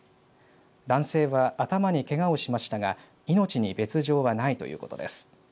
男性は頭にけがをしましたが命に別状はないということです。